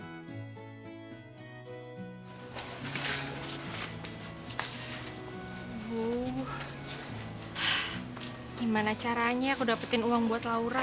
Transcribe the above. gimana caranya aku dapetin uang buat laura